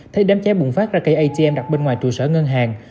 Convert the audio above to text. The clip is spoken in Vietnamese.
thấy đám cháy bùng phát ra cây atm đặt bên ngoài trụ sở ngân hàng